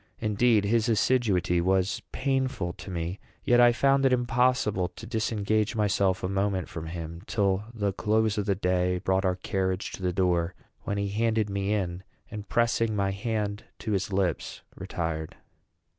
Indeed, his assiduity was painful to me; yet I found it impossible to disengage myself a moment from him, till the close of the day brought our carriage to the door; when he handed me in, and, pressing my hand to his lips, retired.